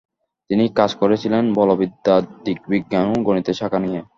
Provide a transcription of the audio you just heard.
তিনি কাজ করেছিলেন বলবিদ্যা, দৃগবিজ্ঞান ও গণিতের শাখা নিয়ে।